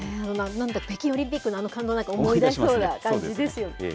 なんか北京オリンピックのあの感動、思い出しそうな感じですよね。